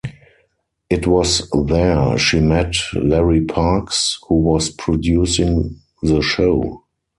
It was there she met Larry Parks, who was producing the show.